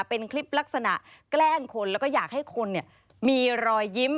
เป็นคลิปลักษณะแกล้งคนแล้วก็อยากให้คนมีรอยยิ้ม